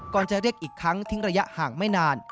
จะเรียกอีกครั้งทิ้งระยะห่างไม่นาน